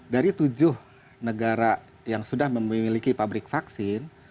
dari tujuh negara yang sudah memiliki pabrik vaksin